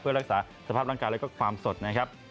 เพื่อรักษาสภาพร่างกายแล้วก็ความสดนะครับ